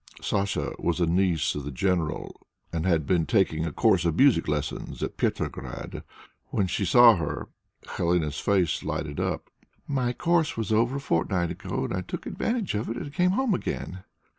Sacha was a niece of the general, and had been taking a course of music lessons at Petrograd. When she saw her, Helene's face lighted up. "My course was over a fortnight ago, and I took advantage of it to come home again."